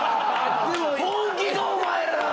「本気か⁉お前ら！」